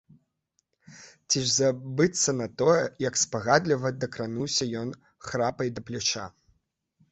Ці ж забыцца на тое, як спагадліва дакрануўся ён храпай да пляча?!